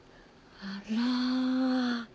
あら。